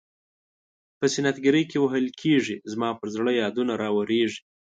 په سنت ګرۍ کې وهل کیږي زما پر زړه یادونه راوریږي.